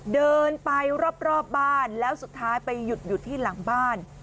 เดินไปรอบบ้านแล้วสุดท้ายไปหยุดอยู่ที่หลังบ้าน